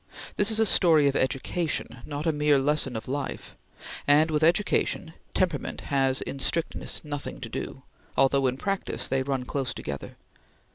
This is a story of education not a mere lesson of life and, with education, temperament has in strictness nothing to do, although in practice they run close together.